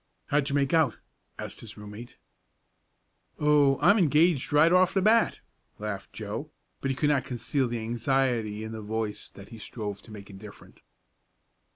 "How'd you make out?" asked his room mate. "Oh, I'm engaged right off the bat," laughed Joe, but he could not conceal the anxiety in the voice that he strove to make indifferent.